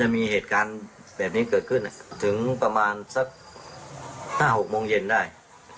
มีเหตุการณ์แบบนี้เกิดขึ้นถึงประมาณสัก๕๖โมงเย็นได้